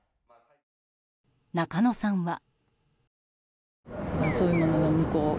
中野さんは。